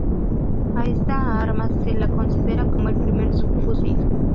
A esta arma se la considera como el primer subfusil.